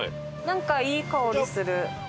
なんかいい香りする。